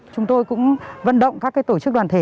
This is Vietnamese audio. chúng tôi cũng vận động các tổ chức đoàn thể